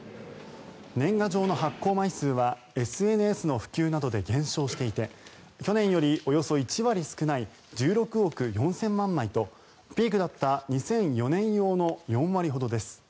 年賀状の発行枚数はＳＮＳの普及などで減少していて去年よりおよそ１割少ない１６億４０００万枚とピークだった２００４年用の４割ほどです。